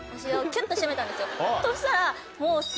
そしたら。